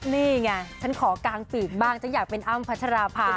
นี่ไงฉันขอกางปีกบ้างฉันอยากเป็นอ้ำพัชราภา